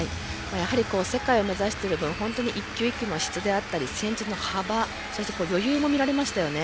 世界を目指している分一球一球の質であったり戦術の幅、余裕も見られましたね。